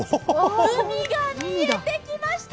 海が見えてきました。